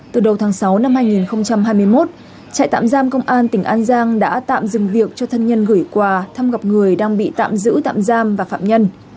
từ đầu tháng sáu năm hai nghìn hai mươi một trại tạm giam công an tỉnh an giang đã tạm dừng việc cho thân nhân gửi quà thăm gặp người đang bị tạm giữ tạm giam và phạm nhân